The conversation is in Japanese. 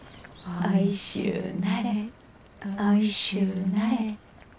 おいしゅうなれ。